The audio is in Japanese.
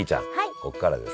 ここからはですね